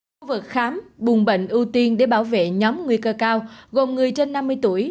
khu vực khám bùng bệnh ưu tiên để bảo vệ nhóm nguy cơ cao gồm người trên năm mươi tuổi